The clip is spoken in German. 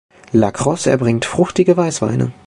La Crosse erbringt fruchtige Weißweine.